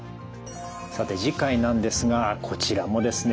さて次回なんですがこちらもですね